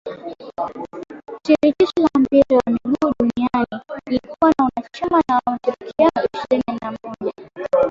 shirikisho la mpira wa miguu duniani lilikuwa na uanachama wa mashirikisho ishirini na moja